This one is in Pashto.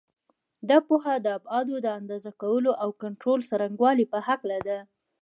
دا پوهه د ابعادو د اندازه کولو او کنټرول څرنګوالي په هکله ده.